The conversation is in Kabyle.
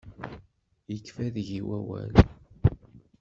Yekfa deg-i wawal.